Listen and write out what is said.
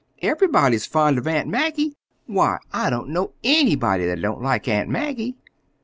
Everybody's fond of Aunt Maggie. Why, I don't know anybody that don't like Aunt Maggie."